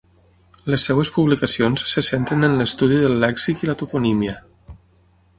Les seves publicacions se centren en l’estudi del lèxic i la toponímia.